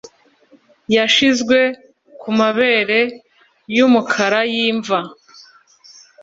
Yashizwe kumabere yumukara yimva